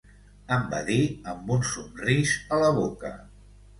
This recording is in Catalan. Em va dir amb un somrís a la boca.